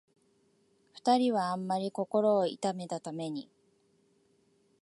二人はあんまり心を痛めたために、